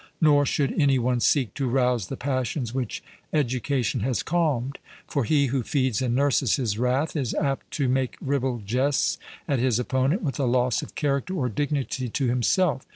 Nor should any one seek to rouse the passions which education has calmed; for he who feeds and nurses his wrath is apt to make ribald jests at his opponent, with a loss of character or dignity to himself.